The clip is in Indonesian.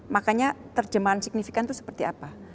makanya terjemahan signifikan itu seperti apa